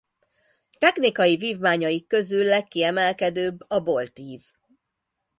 Technikai vívmányaik közül legkiemelkedőbb a boltív.